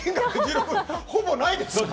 ほぼ、ないです。